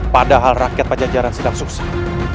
padahal rakyat pajajaran sedang sukses